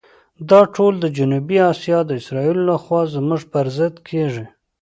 دا ټول د جنوبي آسیا د اسرائیلو لخوا زموږ پر ضد کېږي.